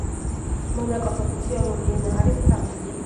მონაკოს ოფიციალური ენა არის ფრანგული.